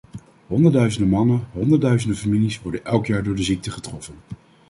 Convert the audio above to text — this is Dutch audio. Honderdduizenden mannen, honderdduizenden families worden elk jaar door de ziekte getroffen.